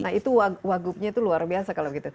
nah itu wagubnya itu luar biasa kalau begitu